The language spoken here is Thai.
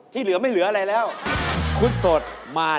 ปัจจุบันประกอบอาชีพนักแบบอิสระค่ะอ๋อแบบอิสระเหมาะมาก